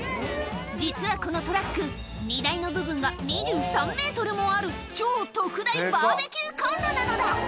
実はこのトラック、荷台の部分が２３メートルもある、超特大バーベキューコンロなのだ。